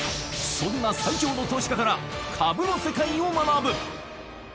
そんな最強の投資家から株の世界を学ぶ。